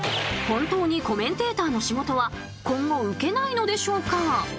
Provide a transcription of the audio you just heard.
本当にコメンテーターの仕事は今後受けないのでしょうか。